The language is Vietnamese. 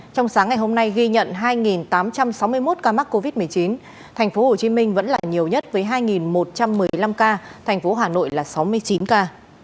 trong sáng ngày hôm nay ghi nhận hai tám trăm sáu mươi một ca mắc covid một mươi chín thành phố hồ chí minh vẫn là nhiều nhất với hai một trăm một mươi năm ca thành phố hà nội là sáu mươi chín ca